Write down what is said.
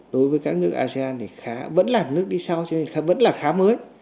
đối với các nước asean thì khá vẫn là nước đi sau cho nên vẫn là khá mới